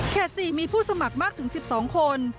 ๔มีผู้สมัครมากถึง๑๒คน